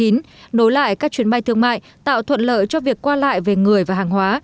nối lại các chuyến bay thương mại tạo thuận lợi cho việc qua lại về người và hàng hóa